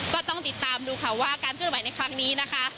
ก็ต้องติดตามดูค่ะว่าการเคลื่อนไหวในครั้งนี้นะคะ